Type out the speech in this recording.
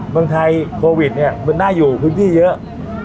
เมืองไทยโควิดเนี่ยมันน่าอยู่พื้นที่เยอะ